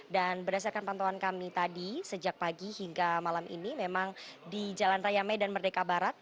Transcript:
berdasarkan pantauan kami tadi sejak pagi hingga malam ini memang di jalan raya medan merdeka barat